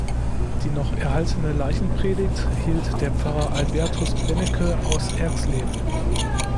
Die noch erhaltene Leichenpredigt hielt der Pfarrer Albertus Bennecke aus Erxleben.